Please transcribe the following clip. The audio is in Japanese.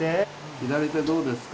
左手どうですか？